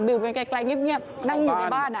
ดื่มอย่างไกลเงี๊บนั่งอยู่ในบ้าน